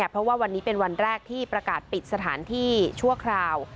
เพราะว่าวันนี้เป็นวันแรกที่ประกาศปิดสถานที่ชั่วคราว